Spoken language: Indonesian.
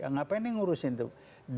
ngapain nih ngurusin tuh